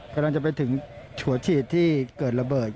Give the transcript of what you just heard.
กำลังจะไปถึงฉัวฉีดที่เกิดระเบิด